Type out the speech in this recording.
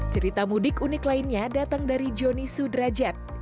cerita mudik unik lainnya datang dari joni sudrajat